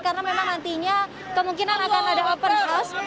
karena memang nantinya kemungkinan akan ada open house